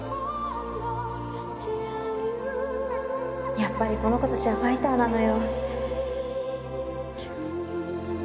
・やっぱりこの子たちはファイターなのよ